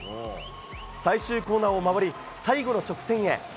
最終コーナーを回り最後の直線へ。